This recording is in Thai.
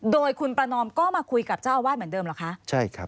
โดยคุณประนอมก็มาคุยกับเจ้าอาวาสเหมือนเดิมเหรอคะใช่ครับ